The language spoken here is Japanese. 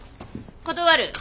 断る。